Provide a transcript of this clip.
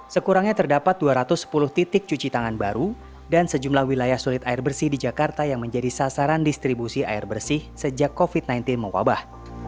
sekurangnya terdapat dua ratus sepuluh titik cuci tangan baru dan sejumlah wilayah sulit air bersih di jakarta yang menjadi sasaran distribusi air bersih sejak covid sembilan belas mewabah